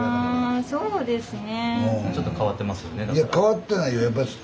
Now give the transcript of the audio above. そうですね。